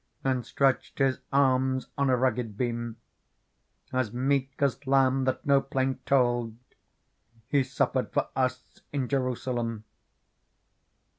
And stretched His arms on a rugged beam ; As meek as lamb that no plaint told. He suffered for us in Jerusalem.